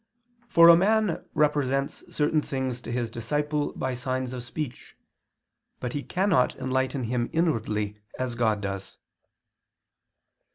For a man represents certain things to his disciple by signs of speech, but he cannot enlighten him inwardly as God does.